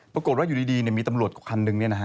ปรากฏว่าอยู่ดีมีตำรวจคันหนึ่ง